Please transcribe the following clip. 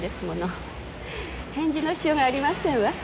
返事のしようがありませんわ。